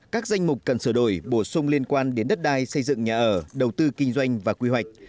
các danh mục cần sửa đổi bổ sung liên quan đến đất đai xây dựng nhà ở đầu tư kinh doanh và quy hoạch